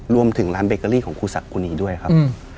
รวมถึงร้านเบเกอรี่ของครูสักครูนีด้วยครับ